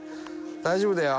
大丈夫だよ。